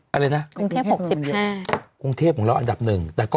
คุณแม่ในกรุงเทพล่ำมาเยอะจังเลย